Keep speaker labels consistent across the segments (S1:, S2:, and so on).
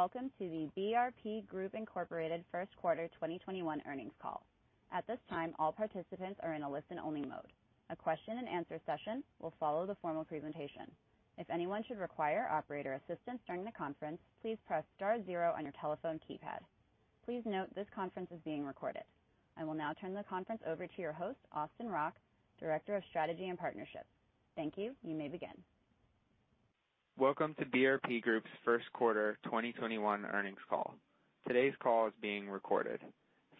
S1: Greetings. Welcome to the BRP Group Incorporated First Quarter 2021 earnings call. At this time, all participants are in a listen-only mode. A question and answer session will follow the formal presentation. If anyone should require operator assistance during the conference, please press star zero on your telephone keypad. Please note this conference is being recorded. I will now turn the conference over to your host, Austin Rock, Director of Strategy and Partnership. Thank you. You may begin.
S2: Welcome to BRP Group's first quarter 2021 earnings call. Today's call is being recorded.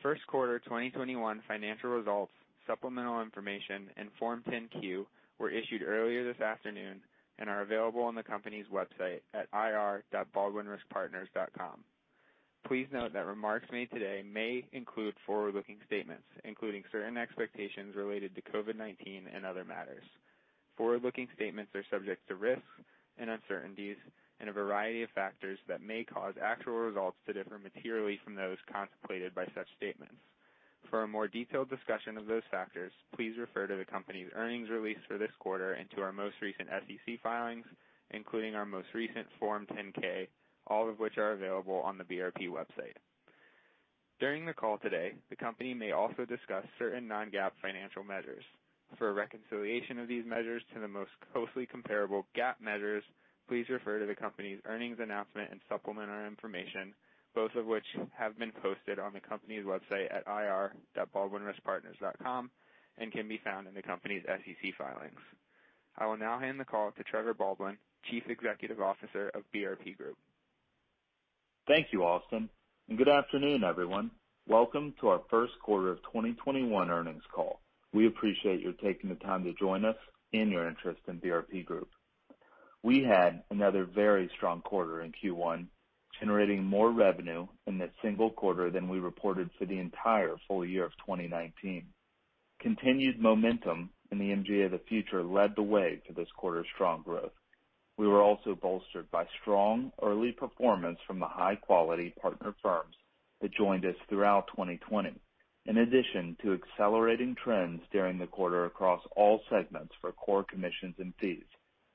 S2: First quarter 2021 financial results, supplemental information, and Form 10-Q were issued earlier this afternoon and are available on the company's website at ir.baldwinriskpartners.com. Please note that remarks made today may include forward-looking statements, including certain expectations related to COVID-19 and other matters. Forward-looking statements are subject to risks and uncertainties and a variety of factors that may cause actual results to differ materially from those contemplated by such statements. For a more detailed discussion of those factors, please refer to the company's earnings release for this quarter and to our most recent SEC filings, including our most recent Form 10-K, all of which are available on the BRP website. During the call today, the company may also discuss certain non-GAAP financial measures. For a reconciliation of these measures to the most closely comparable GAAP measures, please refer to the company's earnings announcement and supplementary information, both of which have been posted on the company's website at ir.baldwinriskpartners.com and can be found in the company's SEC filings. I will now hand the call to Trevor Baldwin, Chief Executive Officer of BRP Group.
S3: Thank you, Austin, and good afternoon, everyone. Welcome to our first quarter of 2021 earnings call. We appreciate you taking the time to join us and your interest in BRP Group. We had another very strong quarter in Q1, generating more revenue in that single quarter than we reported for the entire full year of 2019. Continued momentum in the MGA of the Future led the way to this quarter's strong growth. We were also bolstered by strong early performance from the high-quality partner firms that joined us throughout 2020. In addition to accelerating trends during the quarter across all segments for core commissions and fees,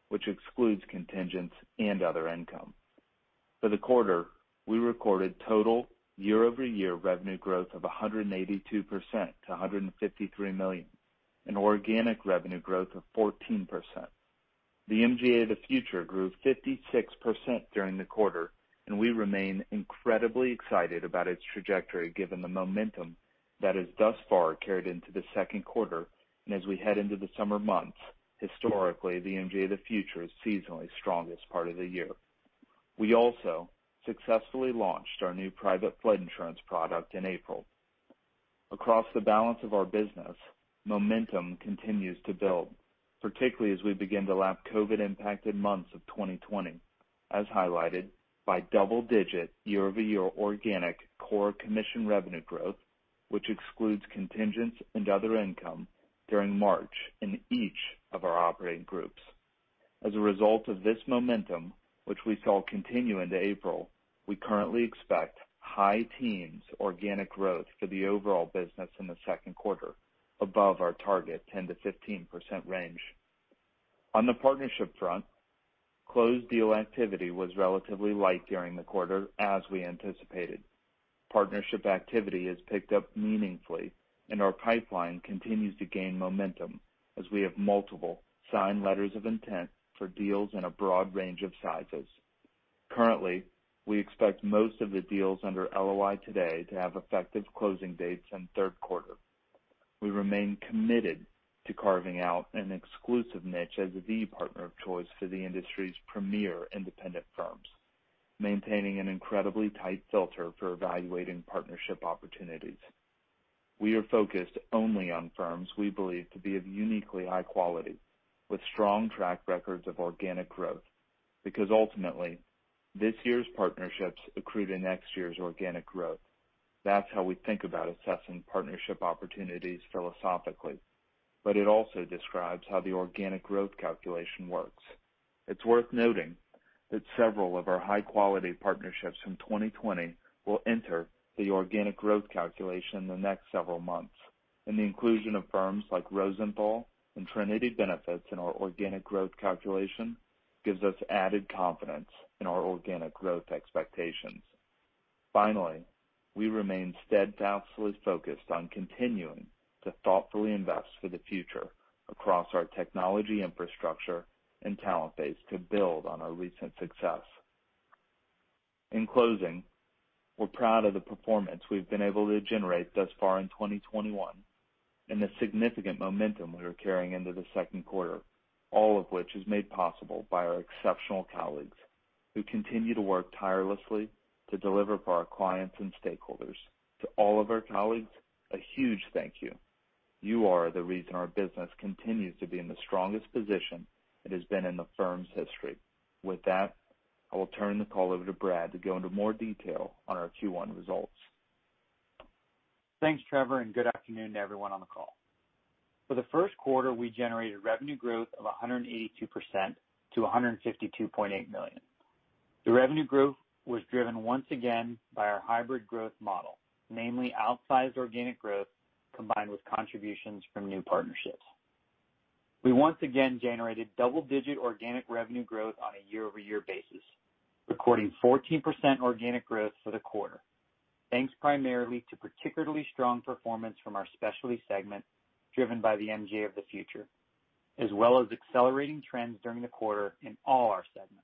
S3: which excludes contingents and other income. For the quarter, we recorded total year-over-year revenue growth of 182% to $153 million, an organic revenue growth of 14%. The MGA of the Future grew 56% during the quarter, we remain incredibly excited about its trajectory given the momentum that has thus far carried into the second quarter. As we head into the summer months, historically, the MGA of the Future is seasonally strongest part of the year. We also successfully launched our new private flood insurance product in April. Across the balance of our business, momentum continues to build, particularly as we begin to lap COVID impacted months of 2020, as highlighted by double-digit year-over-year organic core commission revenue growth, which excludes contingents and other income during March in each of our operating groups. As a result of this momentum, which we saw continue into April, we currently expect high teens organic growth for the overall business in the second quarter, above our target 10%-15% range. On the partnership front, closed deal activity was relatively light during the quarter, as we anticipated. Partnership activity has picked up meaningfully, our pipeline continues to gain momentum as we have multiple signed letters of intent for deals in a broad range of sizes. Currently, we expect most of the deals under LOI today to have effective closing dates in third quarter. We remain committed to carving out an exclusive niche as the partner of choice for the industry's premier independent firms, maintaining an incredibly tight filter for evaluating partnership opportunities. We are focused only on firms we believe to be of uniquely high quality with strong track records of organic growth, because ultimately, this year's partnerships accrue to next year's organic growth. That's how we think about assessing partnership opportunities philosophically, but it also describes how the organic growth calculation works. It's worth noting that several of our high-quality partnerships from 2020 will enter the organic growth calculation in the next several months, the inclusion of firms like Rosenthal and Trinity Benefit Advisors in our organic growth calculation gives us added confidence in our organic growth expectations. Finally, we remain steadfastly focused on continuing to thoughtfully invest for the future across our technology infrastructure and talent base to build on our recent success. In closing, we're proud of the performance we've been able to generate thus far in 2021 and the significant momentum we are carrying into the second quarter, all of which is made possible by our exceptional colleagues who continue to work tirelessly to deliver for our clients and stakeholders. To all of our colleagues, a huge thank you. You are the reason our business continues to be in the strongest position it has been in the firm's history. With that, I will turn the call over to Brad to go into more detail on our Q1 results.
S4: Thanks, Trevor, and good afternoon to everyone on the call. For the first quarter, we generated revenue growth of 182% to $152.8 million. The revenue growth was driven once again by our hybrid growth model, namely outsized organic growth combined with contributions from new partnerships. We once again generated double-digit organic revenue growth on a year-over-year basis, recording 14% organic growth for the quarter. Thanks primarily to particularly strong performance from our specialty segment, driven by the MGA of the Future, as well as accelerating trends during the quarter in all our segments.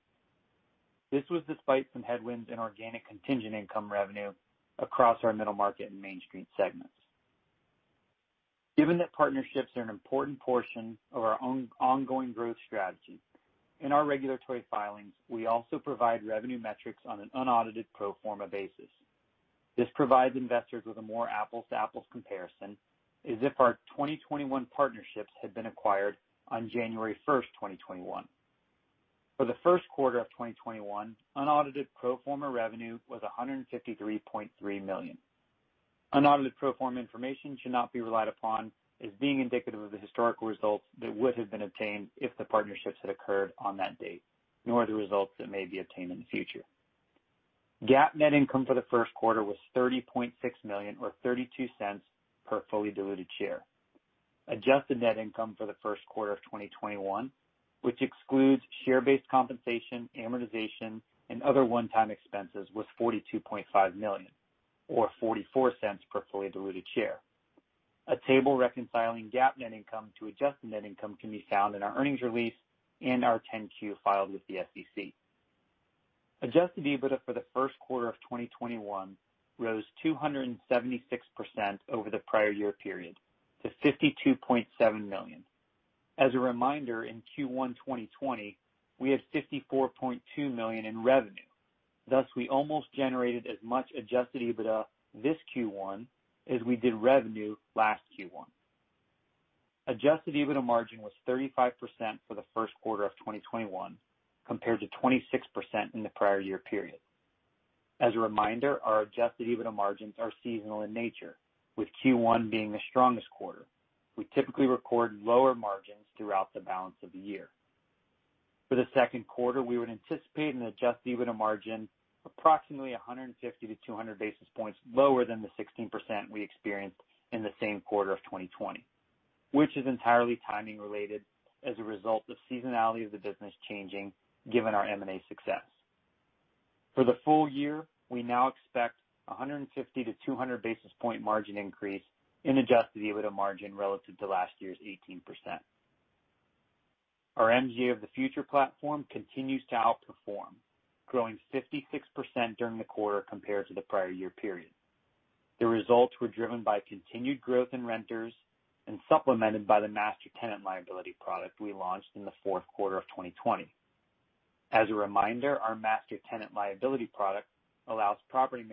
S4: This was despite some headwinds in organic contingent income revenue across our middle market and MainStreet segments. Given that partnerships are an important portion of our ongoing growth strategy, in our regulatory filings, we also provide revenue metrics on an unaudited pro forma basis. This provides investors with a more apples-to-apples comparison, as if our 2021 partnerships had been acquired on January 1st, 2021. For the first quarter of 2021, unaudited pro forma revenue was $153.3 million. Unaudited pro forma information should not be relied upon as being indicative of the historical results that would have been obtained if the partnerships had occurred on that date, nor the results that may be attained in the future. GAAP net income for the first quarter was $30.6 million, or $0.32 per fully diluted share. Adjusted net income for the first quarter of 2021, which excludes share-based compensation, amortization, and other one-time expenses, was $42.5 million, or $0.44 per fully diluted share. A table reconciling GAAP net income to adjusted net income can be found in our earnings release and our 10-Q filed with the SEC. Adjusted EBITDA for the first quarter of 2021 rose 276% over the prior year period to $52.7 million. As a reminder, in Q1 2020, we had $54.2 million in revenue. We almost generated as much adjusted EBITDA this Q1 as we did revenue last Q1. Adjusted EBITDA margin was 35% for the first quarter of 2021 compared to 26% in the prior year period. As a reminder, our adjusted EBITDA margins are seasonal in nature, with Q1 being the strongest quarter. We typically record lower margins throughout the balance of the year. For the second quarter, we would anticipate an adjusted EBITDA margin approximately 150 to 200 basis points lower than the 16% we experienced in the same quarter of 2020, which is entirely timing related as a result of seasonality of the business changing, given our M&A success. For the full year, we now expect 150 to 200 basis point margin increase in adjusted EBITDA margin relative to last year's 18%. Our MGA of the Future platform continues to outperform, growing 56% during the quarter compared to the prior year period. The results were driven by continued growth in renters and supplemented by the master tenant liability product we launched in the fourth quarter of 2020. As a reminder, our master tenant liability product allows property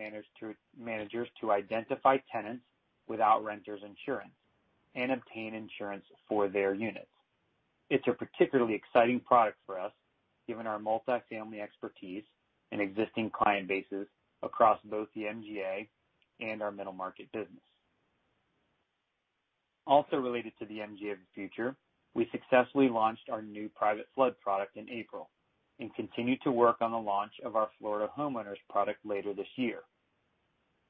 S4: managers to identify tenants without renters insurance and obtain insurance for their units. It's a particularly exciting product for us, given our multifamily expertise and existing client bases across both the MGA and our middle market business. Also related to the MGA of the Future, we successfully launched our new private flood product in April and continue to work on the launch of our Florida homeowners product later this year.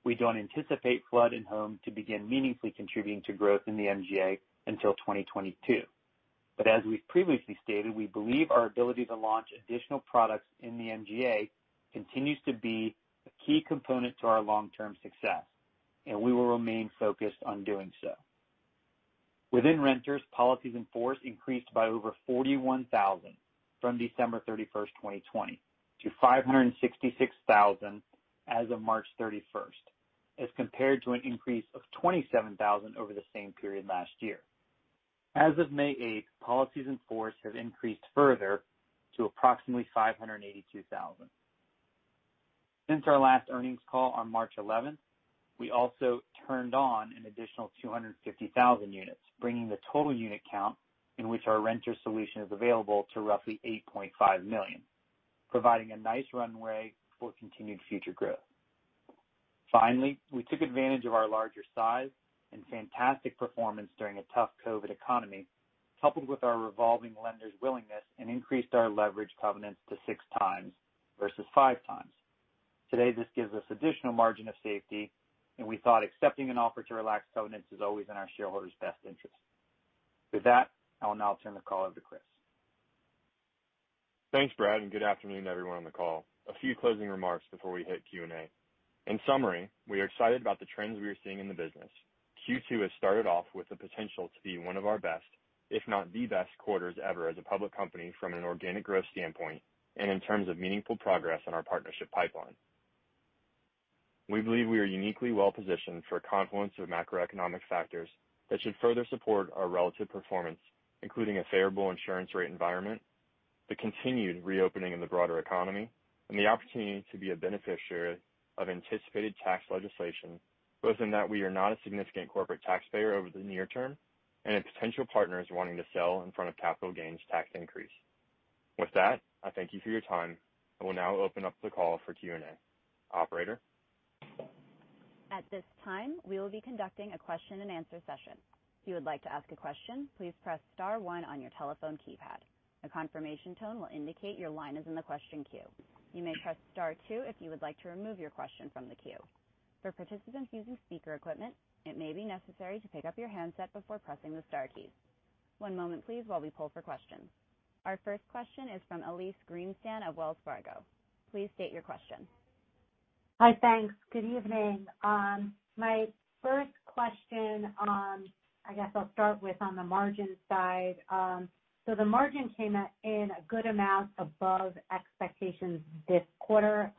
S4: We don't anticipate flood and home to begin meaningfully contributing to growth in the MGA until 2022. As we've previously stated, we believe our ability to launch additional products in the MGA continues to be a key component to our long-term success, and we will remain focused on doing so. Within renters, policies in force increased by over 41,000 from December 31st, 2020, to 566,000 as of March 31st, as compared to an increase of 27,000 over the same period last year. As of May 8th, policies in force have increased further to approximately 582,000. Since our last earnings call on March 11th, we also turned on an additional 250,000 units, bringing the total unit count in which our renter solution is available to roughly 8.5 million, providing a nice runway for continued future growth. Finally, we took advantage of our larger size and fantastic performance during a tough COVID economy, coupled with our revolving lender's willingness, and increased our leverage covenants to six times versus five times. Today, this gives us additional margin of safety, and we thought accepting an offer to relax covenants is always in our shareholders' best interest. With that, I will now turn the call over to Kris.
S5: Thanks, Brad, and good afternoon, everyone on the call. A few closing remarks before we hit Q&A. In summary, we are excited about the trends we are seeing in the business. Q2 has started off with the potential to be one of our best, if not the best quarters ever as a public company from an organic growth standpoint and in terms of meaningful progress in our partnership pipeline. We believe we are uniquely well positioned for a confluence of macroeconomic factors that should further support our relative performance, including a favorable insurance rate environment, the continued reopening of the broader economy, and the opportunity to be a beneficiary of anticipated tax legislation, both in that we are not a significant corporate taxpayer over the near term and as potential partners wanting to sell in front of capital gains tax increase. With that, I thank you for your time. I will now open up the call for Q&A. Operator?
S1: At this time, we will be conducting a question-and-answer session. If you would like to ask a question, please press star 1 on your telephone keypad. A confirmation tone will indicate your line is in the question queue. You may press star 2 if you would like to remove your question from the queue. For participants using speaker equipment, it may be necessary to pick up your handset before pressing the star key. One moment please while we pull for questions. Our first question is from Elyse Greenspan of Wells Fargo. Please state your question.
S6: Hi, thanks. Good evening. My first question, I guess I'll start with on the margin side. The margin came in a good amount above expectations this quarter.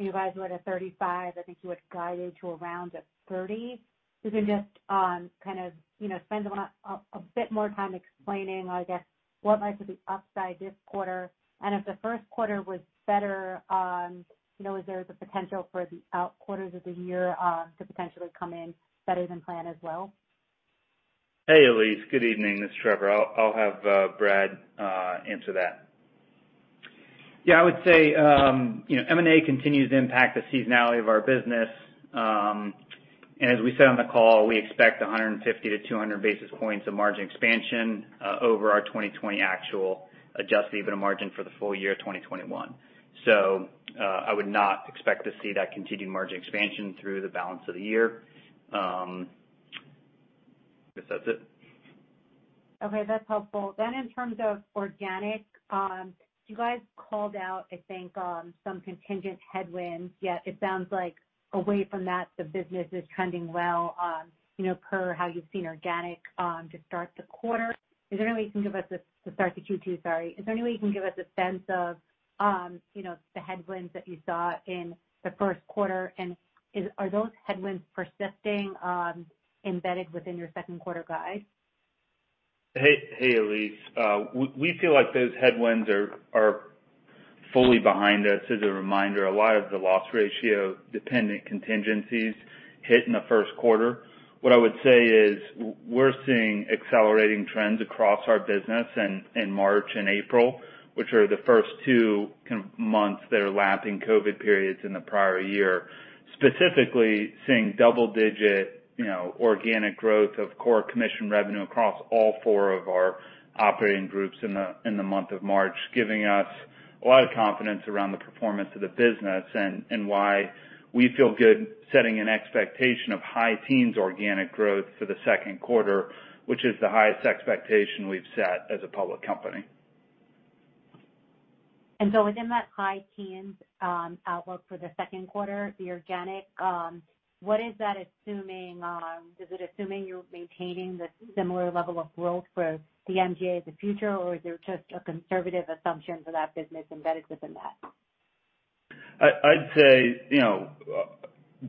S6: You guys were at a 35, I think you had guided to around a 30. If you can just spend a bit more time explaining, I guess, what might be the upside this quarter, and if the first quarter was better on, is there the potential for the out quarters of the year to potentially come in better than planned as well?
S3: Hey, Elyse. Good evening. This is Trevor. I'll have Brad answer that.
S4: Yeah, I would say, M&A continues to impact the seasonality of our business. As we said on the call, we expect 150-200 basis points of margin expansion over our 2020 actual adjusted EBITDA margin for the full year 2021. I would not expect to see that continued margin expansion through the balance of the year. Guess that's it.
S6: Okay, that's helpful. In terms of organic, you guys called out, I think, some contingent headwinds, yet it sounds like away from that, the business is trending well per how you've seen organic to start the quarter. Is there any way you can give us a, to start the Q2, sorry. Is there any way you can give us a sense of the headwinds that you saw in the first quarter, and are those headwinds persisting, embedded within your second quarter guide?
S3: Hey, Elyse. We feel like those headwinds are fully behind us. As a reminder, a lot of the loss ratio dependent contingencies hit in the first quarter. What I would say is we're seeing accelerating trends across our business in March and April, which are the first two months that are lapping COVID periods in the prior year. Specifically seeing double-digit organic growth of core commission revenue across all four of our operating groups in the month of March, giving us a lot of confidence around the performance of the business and why we feel good setting an expectation of high teens organic growth for the second quarter, which is the highest expectation we've set as a public company.
S6: Within that high teens outlook for the second quarter, the organic, what is that assuming? Is it assuming you're maintaining the similar level of growth for the MGA of the Future, or is there just a conservative assumption for that business embedded within that?
S3: I'd say,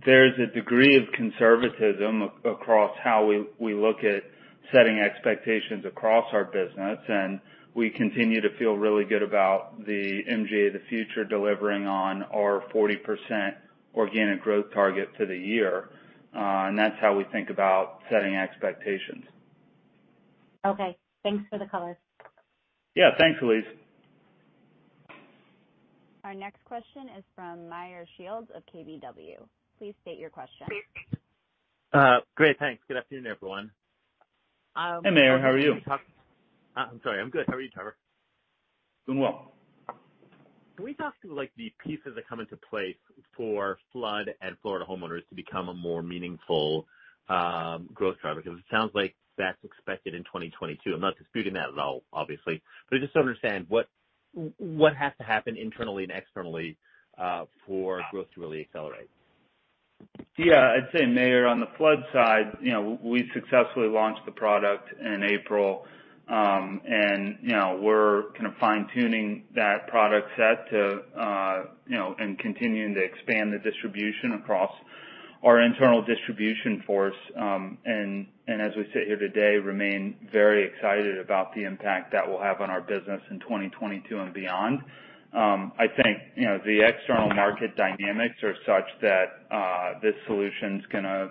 S3: there's a degree of conservatism across how we look at setting expectations across our business, and we continue to feel really good about the MGA of the Future delivering on our 40% organic growth target for the year. That's how we think about setting expectations.
S6: Okay. Thanks for the color.
S3: Yeah. Thanks, Elyse.
S1: Our next question is from Meyer Shields of KBW. Please state your question.
S7: Great, thanks. Good afternoon, everyone.
S3: Hey, Meyer. How are you?
S7: I'm sorry. I'm good. How are you, Trevor?
S3: Doing well.
S7: Can we talk through the pieces that come into place for flood and Florida homeowners to become a more meaningful growth driver? Because it sounds like that's expected in 2022. I'm not disputing that at all, obviously, but I just don't understand what has to happen internally and externally for growth to really accelerate.
S3: Meyer, on the flood side, we successfully launched the product in April. We're kind of fine-tuning that product set and continuing to expand the distribution across our internal distribution force. As we sit here today, remain very excited about the impact that will have on our business in 2022 and beyond. I think the external market dynamics are such that this solution's going to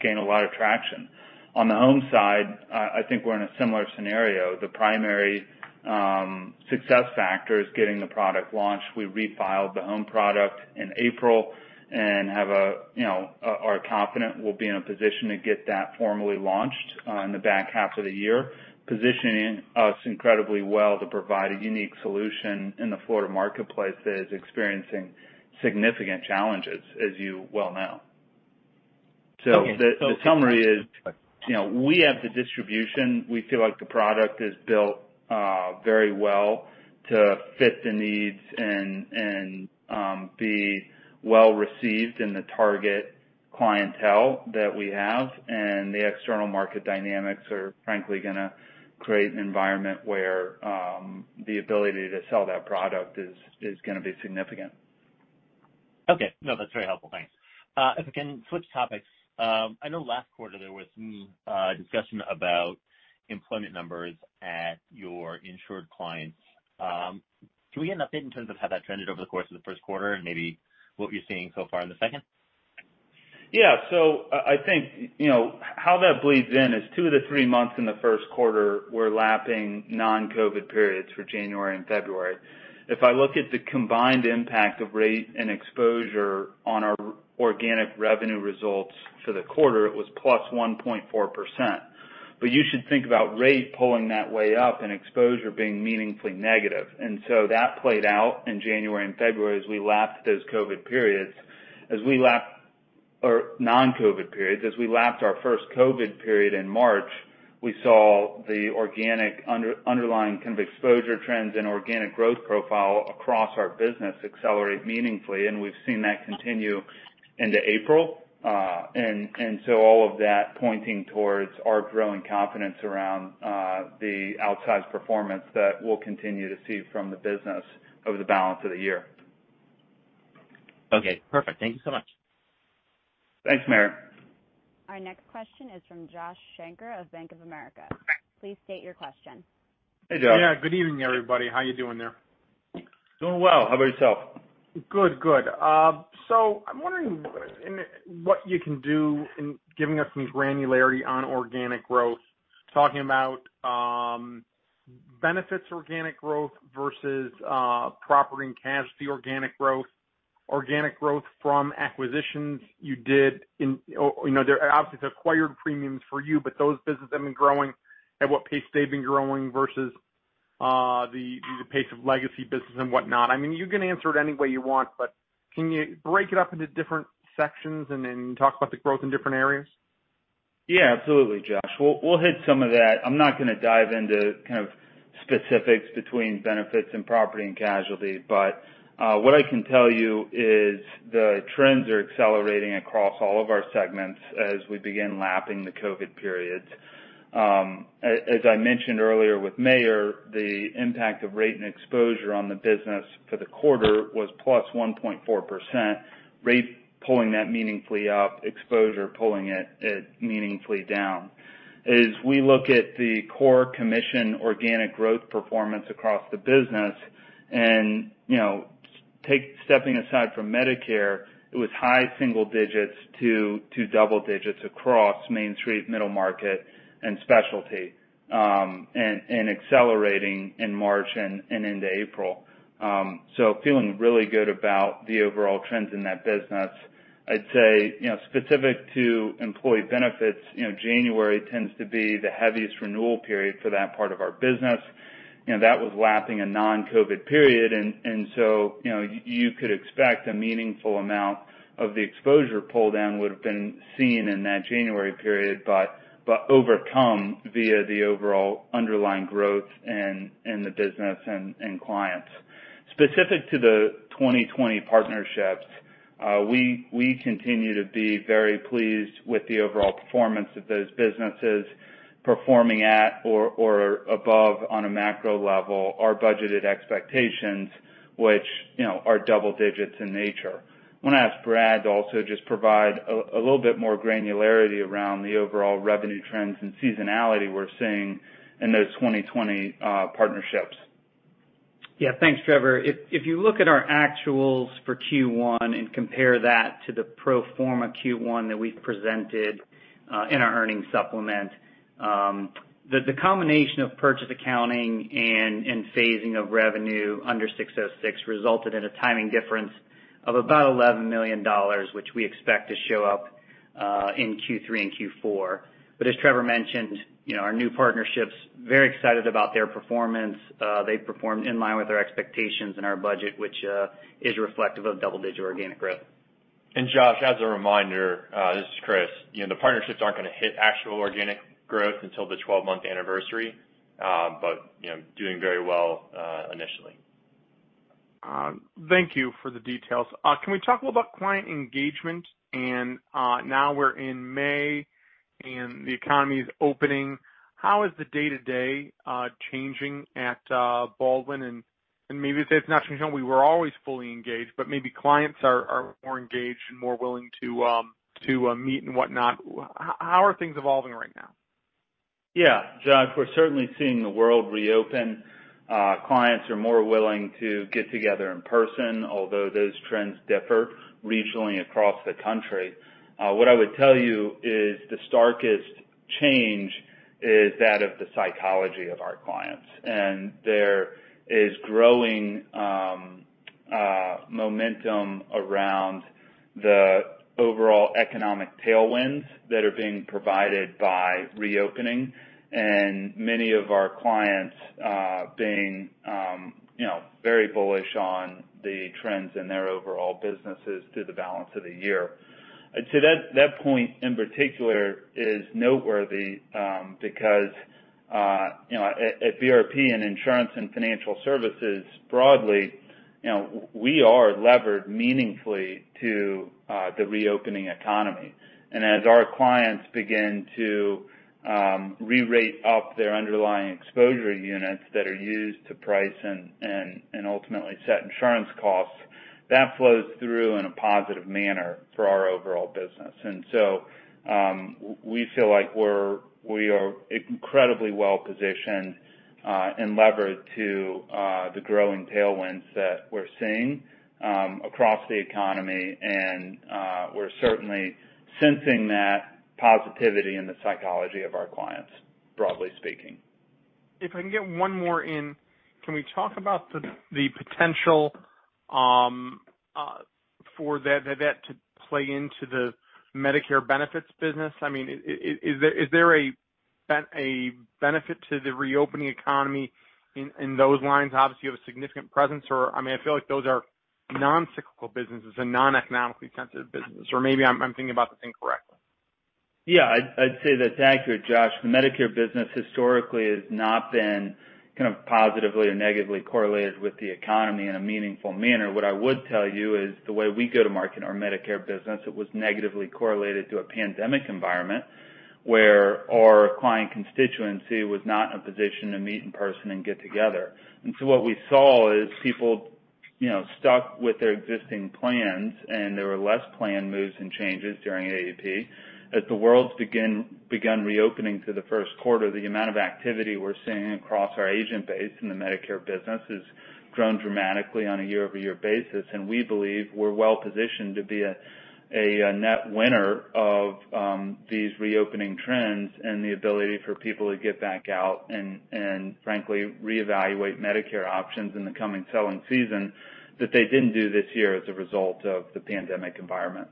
S3: gain a lot of traction. On the home side, I think we're in a similar scenario. The primary success factor is getting the product launched. We refiled the home product in April and are confident we'll be in a position to get that formally launched in the back half of the year, positioning us incredibly well to provide a unique solution in the Florida marketplace that is experiencing significant challenges, as you well know. The summary is, we have the distribution. We feel like the product is built very well to fit the needs and be well-received in the target clientele that we have, the external market dynamics are frankly going to create an environment where the ability to sell that product is going to be significant.
S7: Okay. No, that's very helpful. Thanks. If I can switch topics. I know last quarter there was some discussion about employment numbers at your insured clients. Can we get an update in terms of how that trended over the course of the first quarter and maybe what you're seeing so far in the second?
S3: Yeah. I think how that bleeds in is two of the three months in the first quarter were lapping non-COVID periods for January and February. If I look at the combined impact of rate and exposure on our organic revenue results for the quarter, it was plus 1.4%. You should think about rate pulling that way up and exposure being meaningfully negative. That played out in January and February as we lapped those COVID periods. As we lapped our first COVID period in March, we saw the organic underlying kind of exposure trends and organic growth profile across our business accelerate meaningfully, and we've seen that continue into April. All of that pointing towards our growing confidence around the outsized performance that we'll continue to see from the business over the balance of the year.
S7: Okay, perfect. Thank you so much.
S3: Thanks, Meyer.
S1: Our next question is from Joshua Shanker of Bank of America. Please state your question.
S3: Hey, Josh.
S8: Yeah. Good evening, everybody. How are you doing there?
S3: Doing well. How about yourself?
S8: Good. I'm wondering what you can do in giving us some granularity on organic growth, talking about benefits organic growth versus property and casualty organic growth, organic growth from acquisitions you did or obviously it's acquired premiums for you, but those businesses have been growing, at what pace they've been growing versus the pace of legacy business and whatnot. You can answer it any way you want, but can you break it up into different sections and then talk about the growth in different areas?
S3: Absolutely, Josh. We'll hit some of that. I'm not going to dive into kind of specifics between benefits and property and casualty, but what I can tell you is the trends are accelerating across all of our segments as we begin lapping the COVID periods. As I mentioned earlier with Meyer, the impact of rate and exposure on the business for the quarter was plus 1.4%, rate pulling that meaningfully up, exposure pulling it meaningfully down. As we look at the core commission organic growth performance across the business and stepping aside from Medicare, it was high single digits to double digits across Mainstreet, middle market and specialty, and accelerating in March and into April. Feeling really good about the overall trends in that business. I'd say specific to employee benefits, January tends to be the heaviest renewal period for that part of our business. That was lapping a non-COVID period. You could expect a meaningful amount of the exposure pull-down would've been seen in that January period, but overcome via the overall underlying growth in the business and clients. Specific to the 2020 partnerships, we continue to be very pleased with the overall performance of those businesses performing at or above, on a macro level, our budgeted expectations, which are double digits in nature. I'm going to ask Brad to also just provide a little bit more granularity around the overall revenue trends and seasonality we're seeing in those 2020 partnerships.
S4: Thanks, Trevor. If you look at our actuals for Q1 and compare that to the pro forma Q1 that we presented in our earnings supplement, the combination of purchase accounting and phasing of revenue under 606 resulted in a timing difference of about $11 million, which we expect to show up in Q3 and Q4. As Trevor mentioned, our new partnerships, very excited about their performance. They've performed in line with our expectations and our budget, which is reflective of double-digit organic growth.
S5: Josh, as a reminder, this is Kris, the partnerships aren't going to hit actual organic growth until the 12-month anniversary. Doing very well initially.
S8: Thank you for the details. Can we talk a little about client engagement? Now we're in May and the economy's opening. How is the day-to-day changing at Baldwin? Maybe if it's not changing, we were always fully engaged, but maybe clients are more engaged and more willing to meet and whatnot. How are things evolving right now?
S3: Yeah, Josh, we're certainly seeing the world reopen. Clients are more willing to get together in person, although those trends differ regionally across the country. What I would tell you is the starkest change is that of the psychology of our clients. There is growing momentum around the overall economic tailwinds that are being provided by reopening, and many of our clients being very bullish on the trends in their overall businesses through the balance of the year. I'd say that point in particular is noteworthy because at BRP and insurance and financial services broadly, we are levered meaningfully to the reopening economy. As our clients begin to re-rate up their underlying exposure units that are used to price and ultimately set insurance costs, that flows through in a positive manner for our overall business. We feel like we are incredibly well-positioned and levered to the growing tailwinds that we're seeing across the economy. We're certainly sensing that positivity in the psychology of our clients, broadly speaking.
S8: If I can get one more in, can we talk about the potential for that to play into the Medicare benefits business? Is there a benefit to the reopening economy in those lines? Obviously, you have a significant presence or, I feel like those are non-cyclical businesses and non-economically sensitive business, or maybe I'm thinking about this incorrectly.
S3: Yeah, I'd say that's accurate, Josh. The Medicare business historically has not been positively or negatively correlated with the economy in a meaningful manner. What I would tell you is the way we go to market our Medicare business, it was negatively correlated to a pandemic environment, where our client constituency was not in a position to meet in person and get together. What we saw is people stuck with their existing plans, and there were less plan moves and changes during AEP. The world's begun reopening through the first quarter, the amount of activity we're seeing across our agent base in the Medicare business has grown dramatically on a year-over-year basis. We believe we're well-positioned to be a net winner of these reopening trends and the ability for people to get back out and frankly, reevaluate Medicare options in the coming selling season that they didn't do this year as a result of the pandemic environment.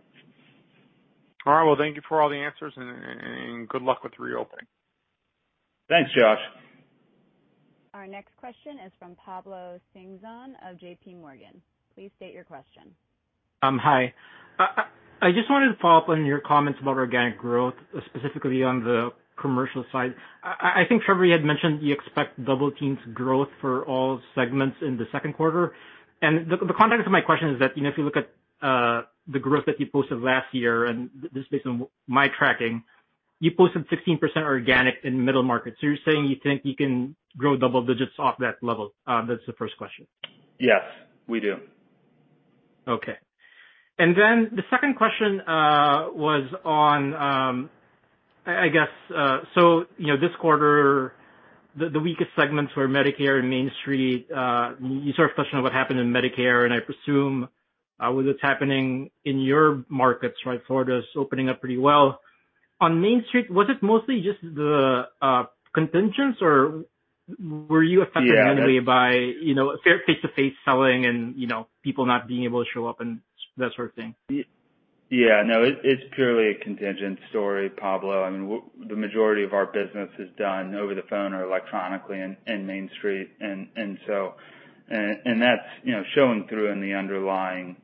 S8: All right. Well, thank you for all the answers, good luck with the reopening.
S3: Thanks, Josh.
S1: Our next question is from Pablo Singzon of J.P. Morgan. Please state your question.
S9: Hi. I just wanted to follow up on your comments about organic growth, specifically on the commercial side. I think Trevor, you had mentioned you expect double teens growth for all segments in the second quarter. The context of my question is that, if you look at the growth that you posted last year, and this is based on my tracking, you posted 16% organic in middle market. You're saying you think you can grow double digits off that level? That's the first question.
S3: Yes, we do.
S9: The second question was on, this quarter, the weakest segments were Medicare and Mainstreet. You sort of touched on what happened in Medicare, and I presume with what's happening in your markets, Florida's opening up pretty well. On Mainstreet, was it mostly just the contingents or were you affected-
S3: Yeah
S9: in any way by, face-to-face selling and people not being able to show up and that sort of thing?
S3: Yeah, no, it's purely a contingent story, Pablo. The majority of our business is done over the phone or electronically in Mainstreet, that's showing through in the underlying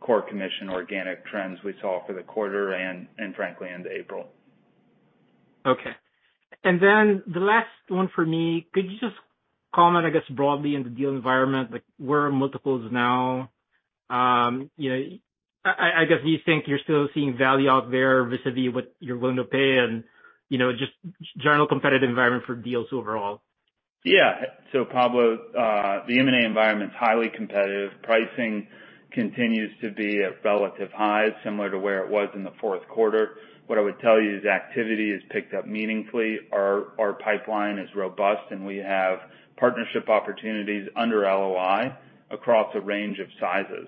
S3: core commission organic trends we saw for the quarter and frankly, into April.
S9: Okay. Then the last one for me, could you just comment, I guess, broadly in the deal environment, like where are multiples now? I guess, do you think you're still seeing value out there vis-a-vis what you're willing to pay and just general competitive environment for deals overall?
S3: Yeah. Pablo, the M&A environment's highly competitive. Pricing continues to be at relative highs, similar to where it was in the fourth quarter. What I would tell you is activity has picked up meaningfully. Our pipeline is robust, and we have partnership opportunities under LOI across a range of sizes.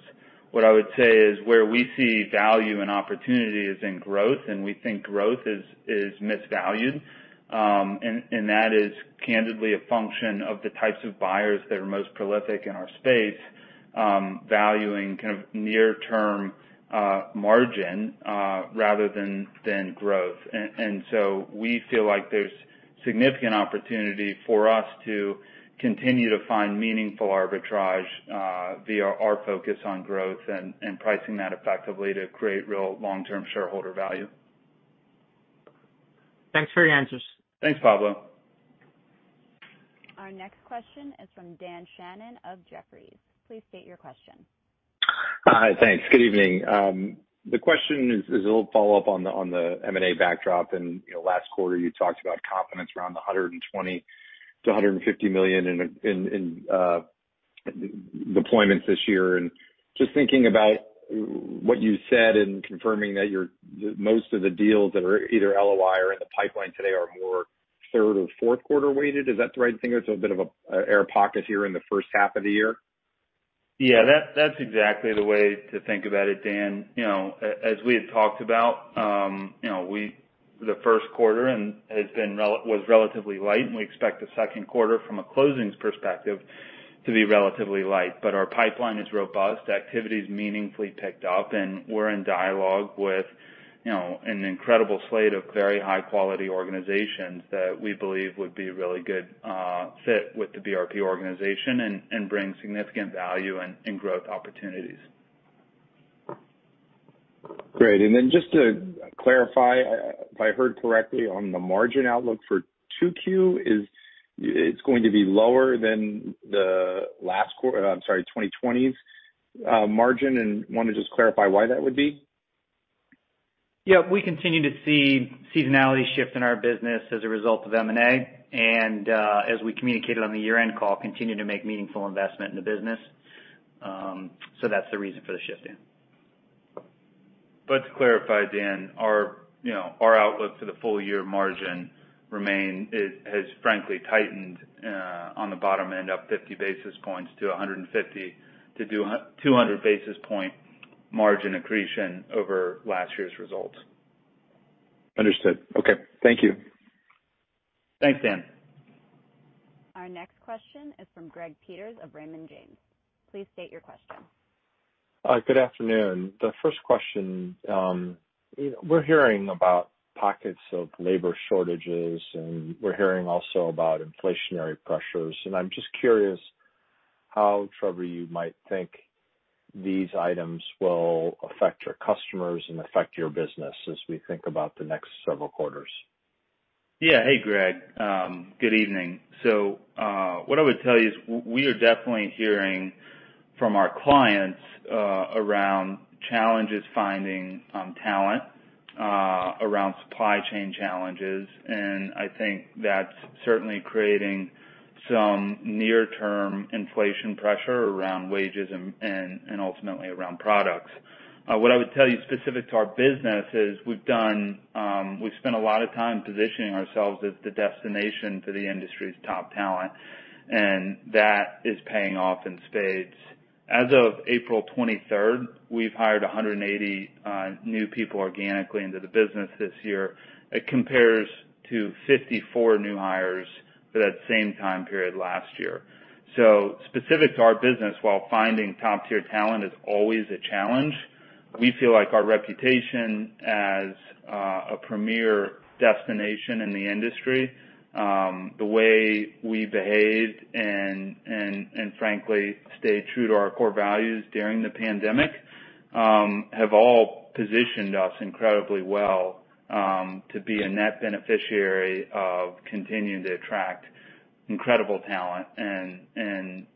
S3: What I would say is where we see value and opportunity is in growth, and we think growth is misvalued. That is candidly a function of the types of buyers that are most prolific in our space, valuing kind of near term margin rather than growth. We feel like there's significant opportunity for us to continue to find meaningful arbitrage via our focus on growth and pricing that effectively to create real long-term shareholder value.
S9: Thanks for your answers.
S3: Thanks, Pablo.
S1: Our next question is from Daniel Fannon of Jefferies. Please state your question.
S10: Hi. Thanks. Good evening. The question is a little follow-up on the M&A backdrop, last quarter you talked about confidence around the $120 million-$150 million in deployments this year. Just thinking about what you said and confirming that most of the deals that are either LOI or in the pipeline today are more third or fourth quarter weighted. Is that the right thing or it's a bit of an air pocket here in the first half of the year?
S3: Yeah, that's exactly the way to think about it, Dan. As we had talked about, the first quarter was relatively light, and we expect the second quarter from a closings perspective to be relatively light. Our pipeline is robust. Activity's meaningfully picked up, and we're in dialogue with an incredible slate of very high-quality organizations that we believe would be a really good fit with the BRP organization and bring significant value and growth opportunities.
S10: Great. Just to clarify, if I heard correctly on the margin outlook for 2Q, it's going to be lower than 2020's margin and want to just clarify why that would be.
S4: Yeah. We continue to see seasonality shift in our business as a result of M&A, as we communicated on the year-end call, continue to make meaningful investment in the business. That's the reason for the shift, Dan.
S3: To clarify, Dan, our outlook for the full year margin has frankly tightened on the bottom end up 50 basis points to 150-200 basis point margin accretion over last year's results.
S10: Understood. Okay. Thank you.
S4: Thanks, Dan.
S1: Our next question is from Greg Peters of Raymond James. Please state your question.
S11: Good afternoon. The first question. We're hearing about pockets of labor shortages, and we're hearing also about inflationary pressures. I'm just curious how, Trevor, you might think these items will affect your customers and affect your business as we think about the next several quarters.
S3: Yeah. Hey, Greg. Good evening. What I would tell you is we are definitely hearing from our clients around challenges finding talent, around supply chain challenges, and I think that's certainly creating some near-term inflation pressure around wages and ultimately around products. What I would tell you specific to our business is we've spent a lot of time positioning ourselves as the destination for the industry's top talent, and that is paying off in spades. As of April 23rd, we've hired 180 new people organically into the business this year. It compares to 54 new hires for that same time period last year. Specific to our business, while finding top-tier talent is always a challenge, we feel like our reputation as a premier destination in the industry, the way we behaved and frankly, stayed true to our core values during the pandemic, have all positioned us incredibly well to be a net beneficiary of continuing to attract incredible talent and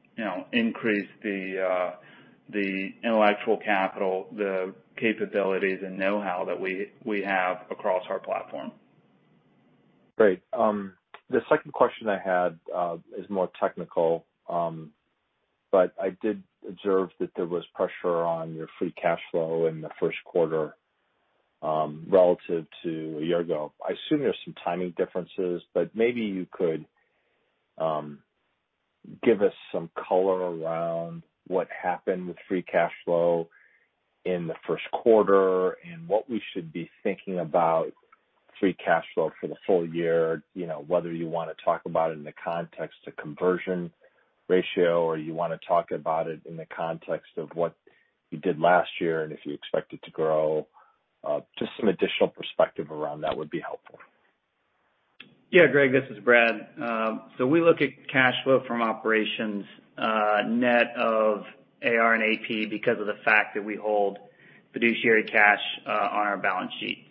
S3: increase the intellectual capital, the capabilities and knowhow that we have across our platform.
S11: Great. The second question I had is more technical. I did observe that there was pressure on your free cash flow in the first quarter relative to a year ago. I assume there's some timing differences, but maybe you could give us some color around what happened with free cash flow in the first quarter and what we should be thinking about free cash flow for the full year, whether you want to talk about it in the context of conversion ratio or you want to talk about it in the context of what you did last year and if you expect it to grow. Just some additional perspective around that would be helpful.
S4: Yeah, Greg, this is Brad. We look at cash flow from operations net of AR & AP because of the fact that we hold fiduciary cash on our balance sheet.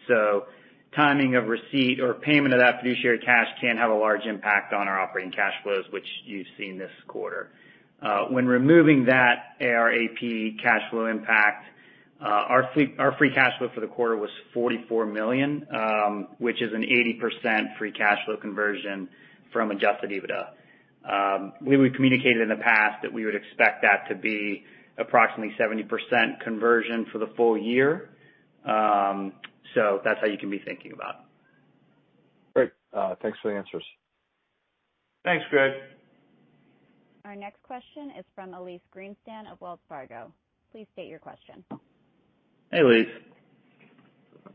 S4: Timing of receipt or payment of that fiduciary cash can have a large impact on our operating cash flows, which you've seen this quarter. When removing that AR & AP cash flow impact, our free cash flow for the quarter was $44 million, which is an 80% free cash flow conversion from adjusted EBITDA. We communicated in the past that we would expect that to be approximately 70% conversion for the full year. That's how you can be thinking about it.
S11: Great. Thanks for the answers.
S3: Thanks, Greg.
S1: Our next question is from Elyse Greenspan of Wells Fargo. Please state your question.
S3: Hey, Elyse.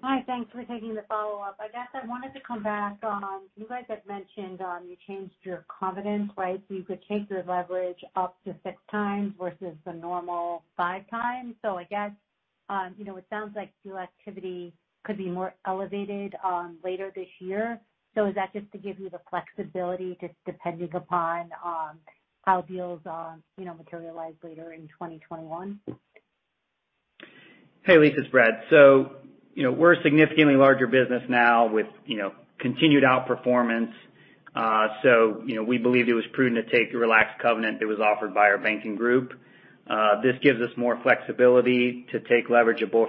S6: Hi. Thanks for taking the follow-up. I guess I wanted to come back on, you guys had mentioned, you changed your covenant, right? You could take your leverage up to 6 times versus the normal 5 times. I guess, it sounds like deal activity could be more elevated later this year. Is that just to give you the flexibility, just depending upon how deals materialize later in 2021?
S4: Hey, Elyse, it's Brad. We're a significantly larger business now with continued outperformance. We believed it was prudent to take the relaxed covenant that was offered by our banking group. This gives us more flexibility to take leverage above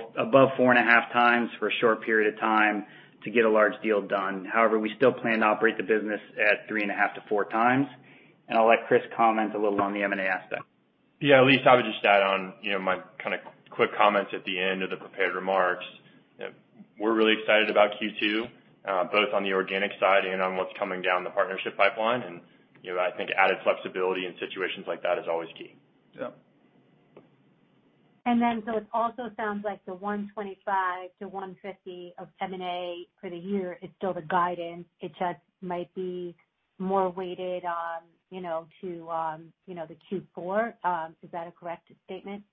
S4: 4.5 times for a short period of time to get a large deal done. However, we still plan to operate the business at 3.5 to 4 times. I'll let Kris comment a little on the M&A aspect.
S5: Yeah. Elyse, I would just add on my kind of quick comments at the end of the prepared remarks. We're really excited about Q2, both on the organic side and on what's coming down the partnership pipeline. I think added flexibility in situations like that is always key.
S4: Yeah.
S6: It also sounds like the $125 to $150 of M&A for the year is still the guidance. It just might be more weighted on to the Q4. Is that a correct statement?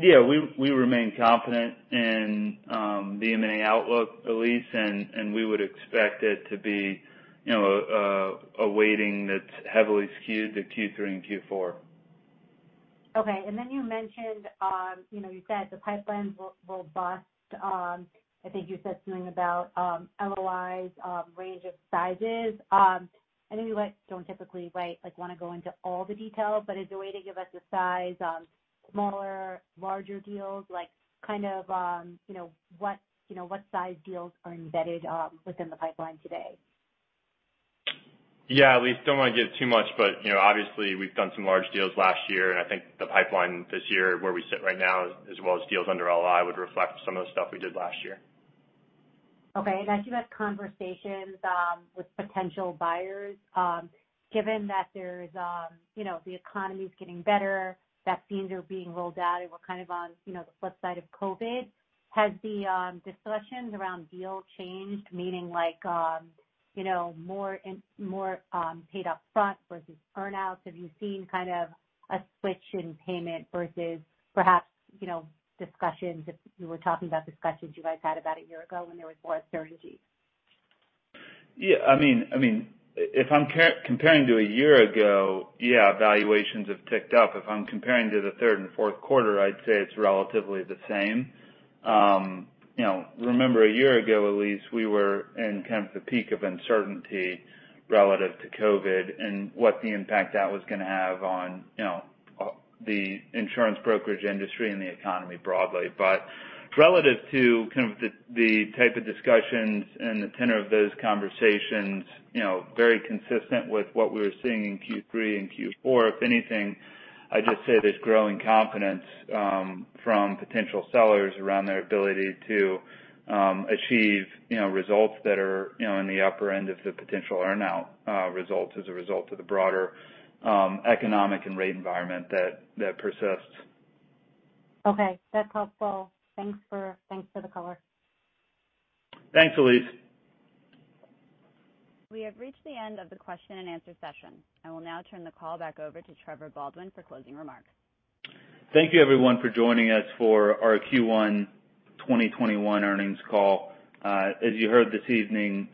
S3: We remain confident in the M&A outlook, Elyse, we would expect it to be a weighting that's heavily skewed to Q3 and Q4.
S6: You mentioned, you said the pipeline's robust. I think you said something about LOIs, range of sizes. I know you guys don't typically want to go into all the detail, is there a way to give us a size on smaller, larger deals, like kind of what size deals are embedded within the pipeline today?
S5: Elyse, don't want to give too much, obviously we've done some large deals last year, I think the pipeline this year, where we sit right now, as well as deals under LOI, would reflect some of the stuff we did last year.
S6: As you've had conversations with potential buyers, given that the economy's getting better, vaccines are being rolled out, we're kind of on the flip side of COVID, has the discussions around deal changed? Meaning more paid up front versus earn-outs. Have you seen kind of a switch in payment versus perhaps discussions, if you were talking about discussions you guys had about a year ago when there was more uncertainty?
S3: Yeah. If I'm comparing to a year ago, yeah, valuations have ticked up. If I'm comparing to the third and fourth quarter, I'd say it's relatively the same. Remember, a year ago, Elyse, we were in kind of the peak of uncertainty relative to COVID and what the impact that was going to have on the insurance brokerage industry and the economy broadly. Relative to kind of the type of discussions and the tenor of those conversations, very consistent with what we were seeing in Q3 and Q4. If anything, I'd just say there's growing confidence from potential sellers around their ability to achieve results that are in the upper end of the potential earn-out results as a result of the broader economic and rate environment that persists.
S6: Okay. That's helpful. Thanks for the color.
S3: Thanks, Elyse.
S1: We have reached the end of the question and answer session. I will now turn the call back over to Trevor Baldwin for closing remarks.
S3: Thank you, everyone, for joining us for our Q1 2021 earnings call. As you heard this evening,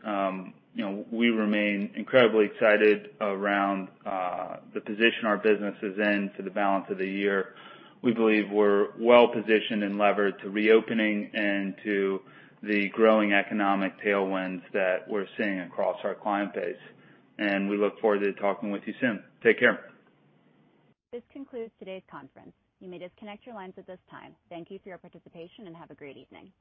S3: we remain incredibly excited around the position our business is in for the balance of the year. We believe we're well positioned and levered to reopening and to the growing economic tailwinds that we're seeing across our client base, and we look forward to talking with you soon. Take care.
S1: This concludes today's conference. You may disconnect your lines at this time. Thank you for your participation, and have a great evening.